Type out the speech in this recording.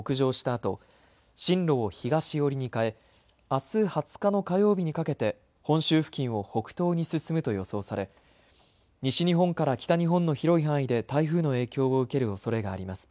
あと進路を東寄りに変え、あす２０日の火曜日にかけて本州付近を北東に進むと予想され西日本から北日本の広い範囲で台風の影響を受けるおそれがあります。